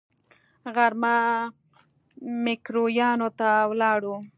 غرمه ميکرويانو ته ولاړو.